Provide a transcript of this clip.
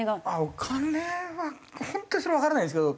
お金は本当にそれはわからないですけど。